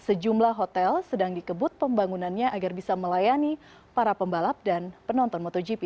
sejumlah hotel sedang dikebut pembangunannya agar bisa melayani para pembalap dan penonton motogp